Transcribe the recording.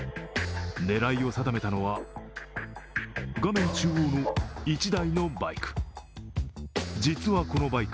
狙いを定めたのは、画面中央の１台のバイク。